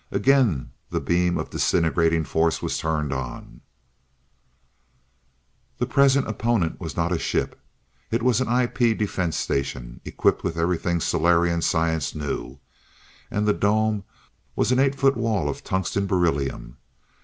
Again the beam of disintegrating force was turned on The present opponent was not a ship. It was an IP defense station, equipped with everything Solarian science knew, and the dome was an eight foot wall of tungsten beryllium.